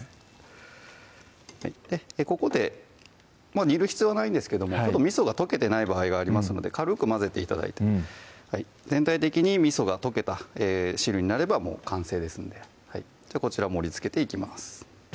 ここで煮る必要はないんですけどもちょっとみそが溶けてない場合がありますので軽く混ぜて頂いて全体的にみそが溶けた汁になればもう完成ですのでこちら盛りつけていきます